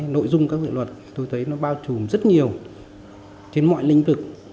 nội dung các dự luật tôi thấy nó bao trùm rất nhiều trên mọi lĩnh vực